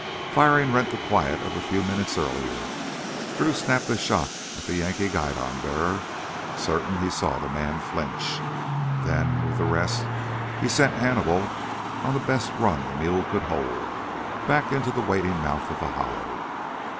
Firing rent the quiet of a few minutes earlier. Drew snapped a shot at the Yankee guidon bearer, certain he saw the man flinch. Then, with the rest, he sent Hannibal on the best run the mule could hold, back into the waiting mouth of the hollow.